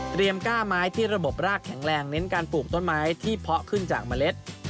ก้าไม้ที่ระบบรากแข็งแรงเน้นการปลูกต้นไม้ที่เพาะขึ้นจากเมล็ด